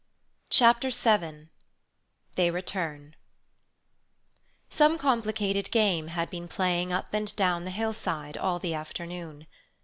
Chapter VII They Return Some complicated game had been playing up and down the hillside all the afternoon.